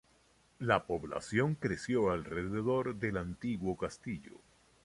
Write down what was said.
La población creció alrededor del antiguo castillo.